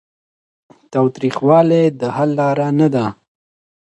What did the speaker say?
تاوتریخوالی د حل لاره نه ده.